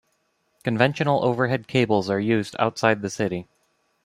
Conventional overhead cables are used outside the city.